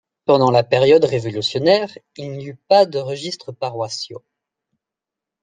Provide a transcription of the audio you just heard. Pendant la période révolutionnaire, il n’y eut pas de registres paroissiaux.